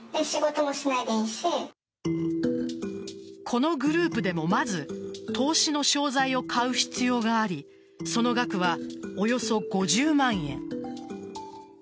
このグループでもまず投資の商材を買う必要がありその額はおよそ５０万円。